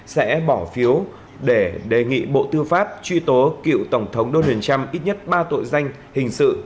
sẽ bỏ phiếu để đề nghị bộ tư pháp truy tố cựu tổng thống donald trump ít nhất ba tội danh hình sự